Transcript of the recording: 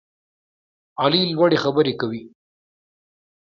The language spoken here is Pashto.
علي لوړې خبرې کوي.